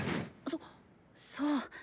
そそう。